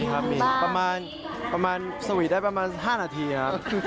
สุดท้ายก็มีครับประมาณสวีทได้ประมาณ๕นาทีครับ